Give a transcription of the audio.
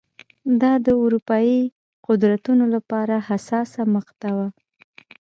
دا د اروپايي قدرتونو لپاره حساسه مقطعه وه.